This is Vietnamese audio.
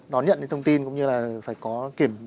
đón nhận những thông tin cũng như là phải có kiểm